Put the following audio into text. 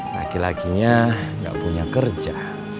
laki lakinya gak punya kerja